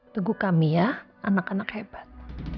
teguh kami ya anak anak hebat